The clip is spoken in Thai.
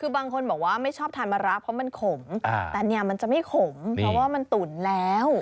คือบางคนบอกว่าไม่ชอบทานมะระเพราะมันขมแต่เนี่ยมันจะไม่ขมเพราะว่ามันตุ๋นแล้ว